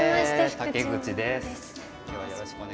竹口です。